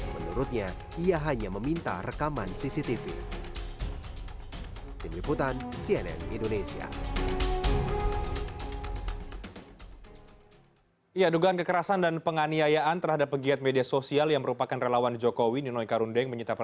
menurutnya ia hanya meminta rekaman cctv